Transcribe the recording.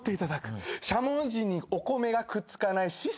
しゃもじにお米がくっつかないシステム。